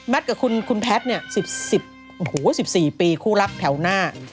แมทกับคุณแพทย์เนี่ย๑๔ปีคู่รักแถวหน้า